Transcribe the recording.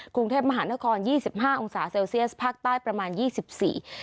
กรุงเทพมหานครยี่สิบห้าองศาเซลเซียสภาคใต้ประมาณยี่สิบสี่